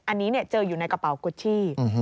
อันนี้เจออยู่ในกระเป๋ากุชชี่